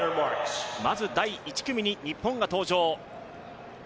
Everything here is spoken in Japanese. まず第１組に日本が登場。